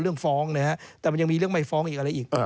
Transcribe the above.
เรื่องฟ้องนะครับแต่มันยังมีเรื่องไม่ฟ้องอีกอะไรอีก